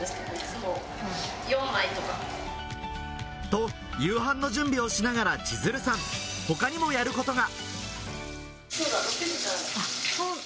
と、夕飯の準備をしながら千鶴さん、他にもやることが。